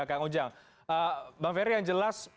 kang ujang bang ferry yang jelas